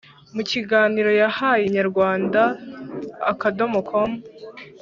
Mu kiganiro yahaye Inyarwanda.com,